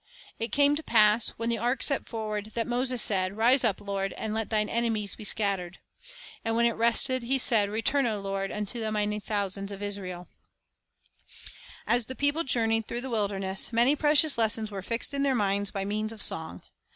" It came to pass, when the ark set forward, that Moses said, Rise up, Lord, and let Thine enemies be scattered. ... And when it 1 Dent. 23:14. 2 Ex. 16:3. Guiding The Education of Israel 39 rested, he said, Return, O Lord, unto the many thou sands of Israel." 1 As the people journeyed through the wilderness, many precious lessons were fixed in their minds by means of song.